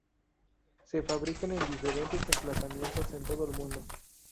Se fabrican en diferentes emplazamientos en todo el mundo.